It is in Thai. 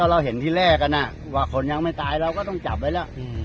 เราเห็นที่แรกกันว่าคนยังไม่ตายเราก็ต้องจับไว้แล้ว